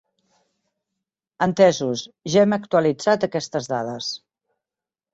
Entesos, ja hem actualitzat aquestes dades.